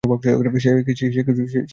সে কিছু দেখবে না।